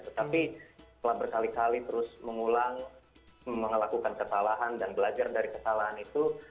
tetapi setelah berkali kali terus mengulang melakukan kesalahan dan belajar dari kesalahan itu